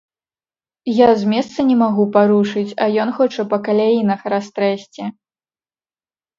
Я з месца не магу парушыць, а ён хоча па каляінах растрэсці.